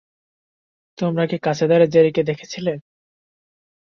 তোমরা কি কাছেধারে জেরিকে দেখেছিলে?